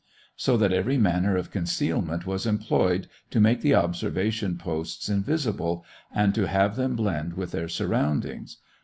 So that every manner of concealment was employed to make the observation posts invisible and to have them blend with their surroundings.